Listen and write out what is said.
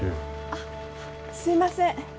あっすいません。